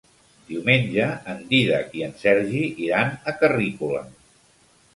Diumenge en Dídac i en Sergi iran a Carrícola.